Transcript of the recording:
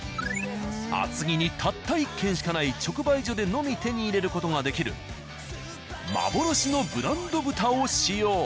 厚木にたった１軒しかない直売所でのみ手に入れる事ができる幻のブランド豚を使用。